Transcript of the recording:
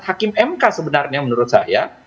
hakim mk sebenarnya menurut saya